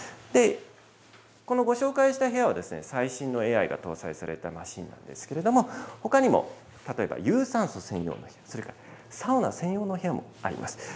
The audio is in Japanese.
で、このご紹介した部屋は、最新のＡＩが搭載されたマシーンなんですけども、ほかにも、例えば有酸素専用ルーム、それからサウナ専用の部屋もあります。